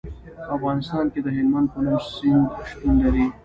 په افغانستان کې د هلمند په نوم سیند شتون لري.